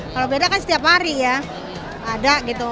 kalau beda kan setiap hari ya ada gitu